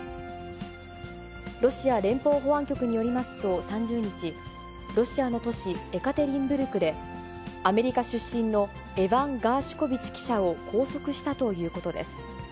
ロシア連邦保安局によりますと、３０日、ロシアの都市、エカテリンブルクで、アメリカ出身のエバン・ガーシュコビチ記者を拘束したということです。